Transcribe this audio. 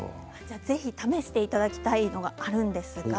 ぜひ試していただきたいものがあるんです。